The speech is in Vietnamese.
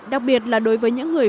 đặc biệt là đối với những người